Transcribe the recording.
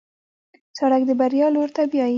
سړک د بریا لور ته بیایي.